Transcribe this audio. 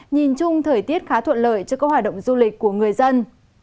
nhìn chung thời tiết khá thuận lợi cho các hoạt động du lịch của người dân